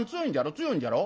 強いんじゃろ？」。